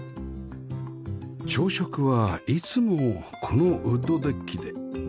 朝食はいつもこのウッドデッキで